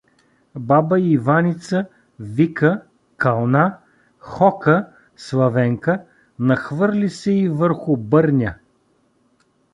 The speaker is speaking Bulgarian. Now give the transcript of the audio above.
Баба Иваница викa`, кълнa`, хокa` Славенка, нахвърли се и върху Бърня.